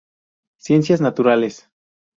Ciencias Naturales.